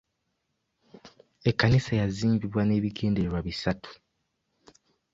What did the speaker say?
Ekkanisa yazimbibwa n'ebigendererwa bisatu.